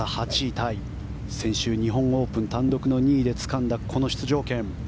タイ、先週日本オープン単独２位でつかんだこの出場権。